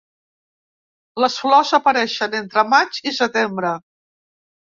Les flors apareixen entre maig i setembre.